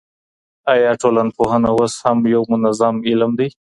ايا ټولنپوهنه اوس يو منظم علم دی؟